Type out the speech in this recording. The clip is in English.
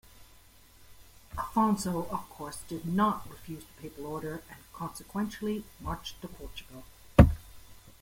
Afonso, of course, did not refuse the papal order and consequently marched to Portugal.